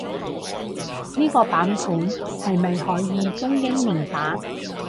呢個版本係咪可以中英連打？